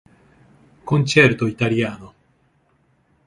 Concerto italiano